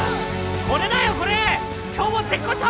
これだよこれ今日も絶好調！